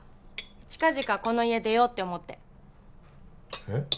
近々この家出ようって思ってえっ？